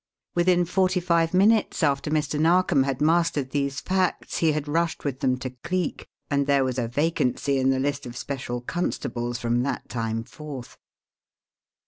Within forty five minutes after Mr. Narkom had mastered these facts he had rushed with them to Cleek, and there was a vacancy in the list of special constables from that time forth.